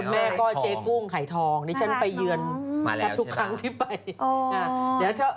แม่ก็เจ๊กู้งข่ายทองดิฉันไปเยือนทุกไป